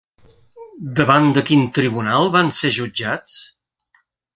Davant de quin tribunal van ser jutjats?